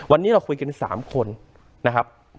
วันนี้เราคุยกัน๓คนนะครับ